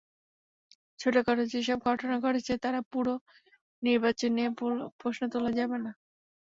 ছোটখাটো যেসব ঘটনা ঘটেছে, তাতে পুরো নির্বাচন নিয়ে প্রশ্ন তোলা যাবে না।